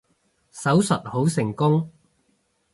手術好成功